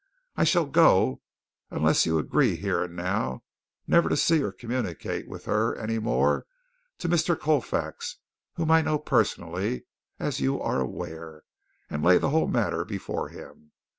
I shall go, unless you agree here and now never to see or communicate with her any more, to Mr. Colfax, whom I know personally, as you are aware, and lay the whole matter before him.